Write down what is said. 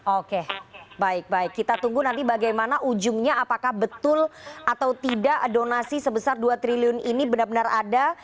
oke baik baik kita tunggu nanti bagaimana ujungnya apakah betul atau tidak donasi sebesar dua triliun ini benar benar ada